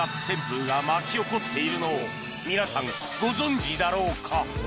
旋風が巻き起こっているのを皆さんご存じだろうか？